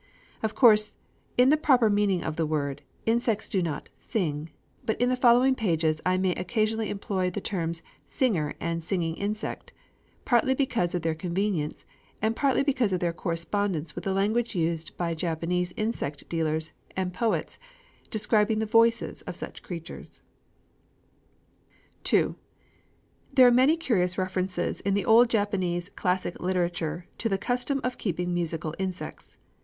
Of course, in the proper meaning of the word, insects do not sing; but in the following pages I may occasionally employ the terms "singer" and "singing insect," partly because of their convenience, and partly because of their correspondence with the language used by Japanese insect dealers and poets, describing the "voices" of such creatures. II There are many curious references in the old Japanese classic literature to the custom of keeping musical insects.